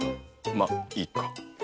まっいいか。